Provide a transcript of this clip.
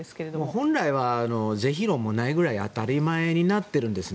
本来は是非論もないぐらい当たり前になっているんです